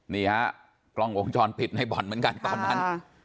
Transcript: นี่ฮะกล้องวงจรปิดในบ่อนเหมือนกันตอนนั้น